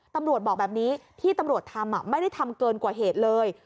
ตำรวจบอกแบบนี้ที่ตำรวจทำไม่ได้ทำเกินกว่าเหตุเลย